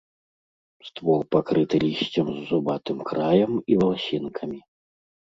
Ствол пакрыты лісцем з зубатым краем і валасінкамі.